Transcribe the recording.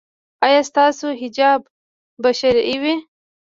ایا ستاسو حجاب به شرعي وي؟